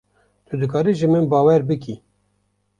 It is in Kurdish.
Tu dikarî ji min bawer bikî.